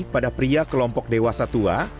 pada pria kelompok dewasa tua